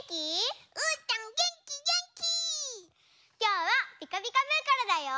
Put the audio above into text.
きょうは「ピカピカブ！」からだよ！